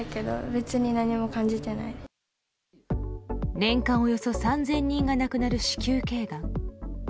年間およそ３０００人が亡くなる子宮頸がん。